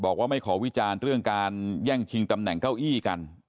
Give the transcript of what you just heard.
บอกว่าไม่ขอวิจารณ์เรื่องการแย่งชิงตำแหน่งเก้าอี้กัน